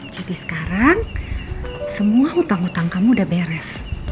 jadi sekarang semua hutang hutang kamu udah beres